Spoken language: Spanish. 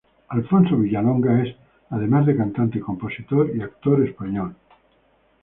Alfonso Vilallonga es, además de cantante, compositor y actor español.